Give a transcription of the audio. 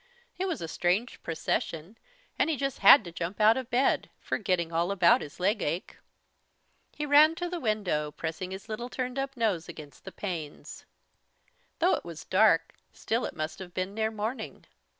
It was a strange procession and he just had to jump out of bed, forgetting all about his leg ache. He ran to the window, pressing his little turned up nose against the panes. Though it was dark still it must have been near morning.